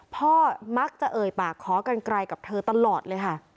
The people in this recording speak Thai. พ่อมักจะเอ่ยปากขอกันไกลกับเธอตลอดเลยค่ะ